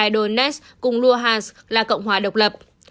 thay đổi nets cùng luhansk là cộng hòa độc lập